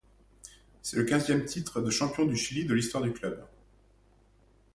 C'est le quinzième titre de champion du Chili de l'histoire du club.